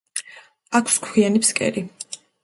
აქვს ქვიანი ფსკერი.